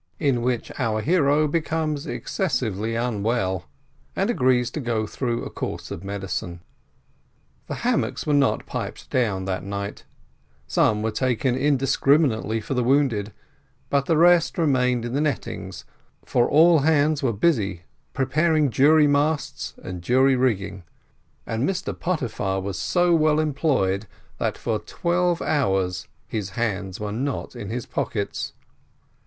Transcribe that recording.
IN WHICH OUR HERO BECOMES EXCESSIVELY UNWELL, AND AGREES TO GO THROUGH A COURSE OF MEDICINE. The hammocks were not piped down that night: some were taken indiscriminately for the wounded, but the rest remained in the nettings, for all hands were busy preparing jury masts and jury rigging, and Mr Pottyfar was so well employed that, for twelve hours, his hands were not in his pockets.